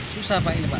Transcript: susah pak ini pak